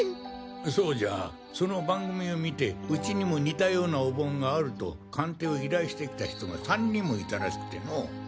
そうじゃその番組を観て「うちにも似たようなお盆がある」と鑑定を依頼してきた人が３人もいたらしくてのォ。